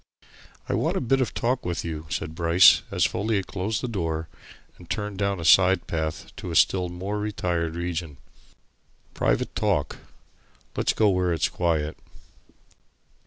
"I want a bit of talk with you," said Bryce as Folliot closed the door and turned down a side path to a still more retired region. "Private talk. Let's go where it's quiet."